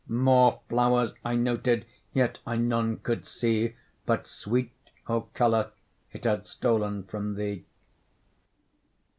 More flowers I noted, yet I none could see, But sweet, or colour it had stol'n from thee.